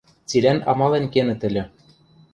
Цилӓн амален кенӹт ыльы...